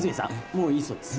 もういいそうです。